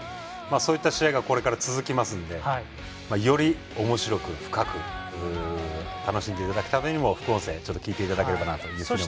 そういった試合がこれから続きますのでよりおもしろく、深く楽しんでいただくためにも副音声聞いていただければと思います。